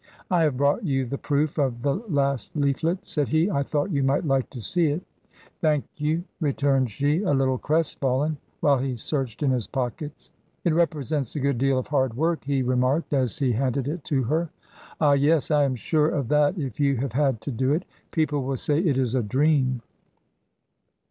'* I have brought you the proof of the last leaflet," said he; "I thought you might like to see it" " Thank you," returned she, a little crestfallen, while he searched in his pockets. "It represents a good deal of hard work," he re marked, as he handed it to her. " Ah, yes ! I am sure of that if you have had to do it People will say it is a * dream.'